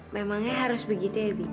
memangnya harus begitu ya bi